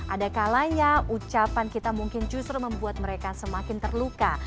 ada kalanya ucapan kita mungkin justru membuat mereka semakin terluka